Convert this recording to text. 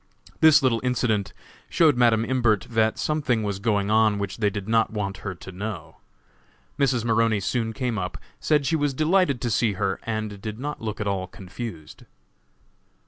This little incident showed Madam Imbert that something was going on which they did not want her to know. Mrs. Maroney soon came up, said she was delighted to see her, and did not look at all confused.